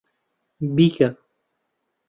بیکە!